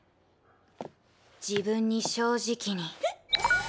自分に正直に。